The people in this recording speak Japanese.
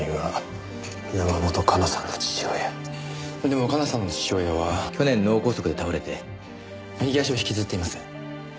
でも香奈さんの父親は去年脳梗塞で倒れて右足を引きずっています。